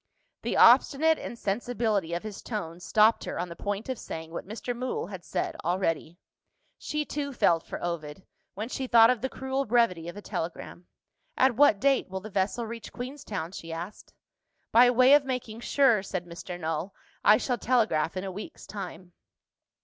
The obstinate insensibility of his tone stopped her on the point of saying what Mr. Mool had said already. She, too, felt for Ovid, when she thought of the cruel brevity of a telegram. "At what date will the vessel reach Queenstown?" she asked. "By way of making sure," said Mr. Null, "I shall telegraph in a week's time."